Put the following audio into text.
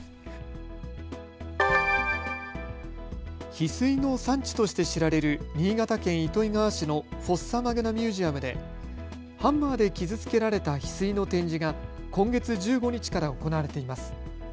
ヒスイの産地として知られる新潟県糸魚川市のフォッサマグナミュージアムでハンマーで傷つけられたヒスイの展示が今月１５日から行われています。